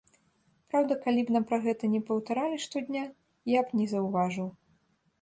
Праўда, калі б нам пра гэта не паўтаралі штодня, я б не заўважыў.